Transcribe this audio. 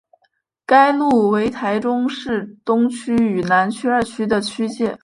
该路为台中市东区与南区二区的区界。